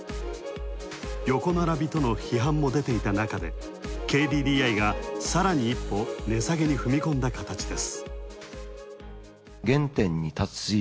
横並びとの批判も出ていたなかでＫＤＤＩがさらに一歩、値下げに踏み込んだ形です。